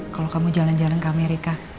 kalau kamu jalan jalan ke amerika